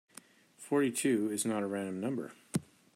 Forty-two is not a random number.